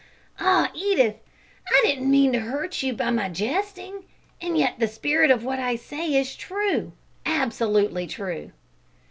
"Ah, Edith! I did not mean to hurt you by my jesting, and yet the spirit of what I say is true absolutely true."